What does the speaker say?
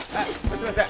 すいません。